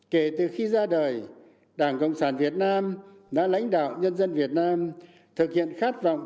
kể từ khi ra đời đảng cộng sản việt nam đã lãnh đạo nhân dân việt nam thực hiện khát vọng